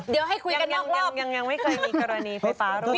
เดี๋ยวให้คุยกันนอกรอบยังไม่เคยมีกรณีไฟฟ้าเลย